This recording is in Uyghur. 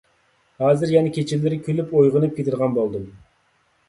ھازىر يەنە كېچىلىرى كۈلۈپ ئويغىنىپ كېتىدىغان بولدۇم.